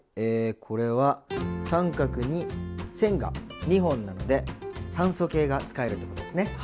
えっこれは△に線が２本なので酸素系が使えるということですね。